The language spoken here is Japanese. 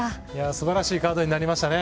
すばらしいカードになりましたね。